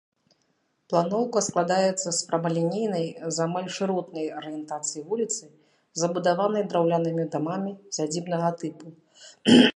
Планоўка складаецца з прамалінейнай, з амаль шыротнай арыентацыі вуліцы, забудаванай драўлянымі дамамі сядзібнага тыпу.